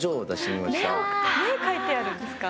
目描いてあるんですか。